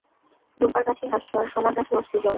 রূপার কাঠি হাস্য, আর সোনার কাঠি অশ্রুজল।